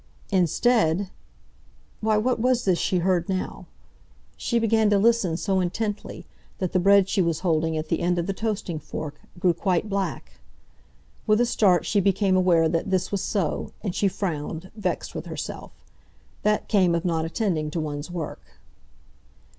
Instead—Why, what was this she heard now? She began to listen so intently that the bread she was holding at the end of the toasting fork grew quite black. With a start she became aware that this was so, and she frowned, vexed with herself. That came of not attending to one's work.